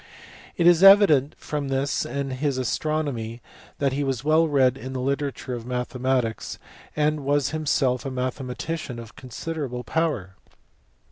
It is evident from this and his astronomy that he was well read in the literature of mathematics, and was himself a mathematician of considerable power.